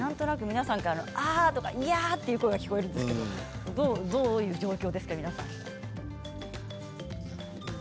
皆さんからああとかいやあという声が聞こえるんですがどういう状況ですか。